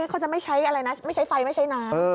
เขาจะไม่ใช้อะไรนะไม่ใช้ไฟไม่ใช้น้ำ